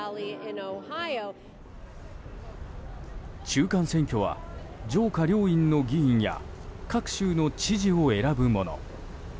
中間選挙は、上下両院の議員や各州の知事を選ぶもの。